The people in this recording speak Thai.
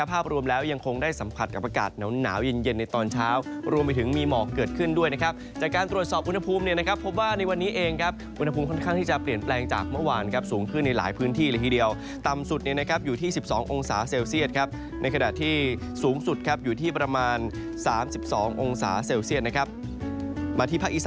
ภาพรวมแล้วยังคงได้สัมผัสกับอากาศหนาวเย็นเย็นในตอนเช้ารวมไปถึงมีหมอกเกิดขึ้นด้วยนะครับจากการตรวจสอบอุณหภูมิเนี่ยนะครับพบว่าในวันนี้เองครับอุณหภูมิค่อนข้างที่จะเปลี่ยนแปลงจากเมื่อวานครับสูงขึ้นในหลายพื้นที่เลยทีเดียวต่ำสุดเนี่ยนะครับอยู่ที่๑๒องศาเซลเซียตครับในขณะที่สูงสุดครับอยู่ที่ประมาณ๓๒องศาเซลเซียตนะครับมาที่ภาคอ